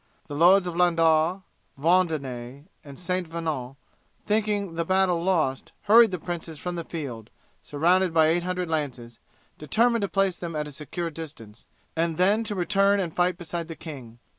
The Lords of Landas, Vaudenay, and St. Venant, thinking the battle lost, hurried the princes from the field, surrounded by eight hundred lances, determined to place them at a secure distance, and then to return and fight beside the king.